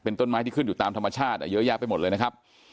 ต้นไม้ที่ขึ้นอยู่ตามธรรมชาติเยอะแยะไปหมดเลยนะครับ